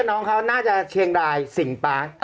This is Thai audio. โอเคโอเคโอเค